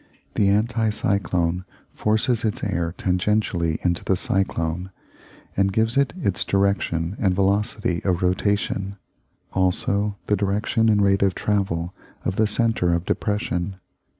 The anti cyclone forces its air tangentially into the cyclone, and gives it its direction and velocity of rotation, also the direction and rate of travel of the centre of depression.